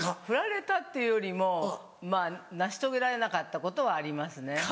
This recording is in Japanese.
ふられたっていうよりもまぁ成し遂げられなかったことはありますね。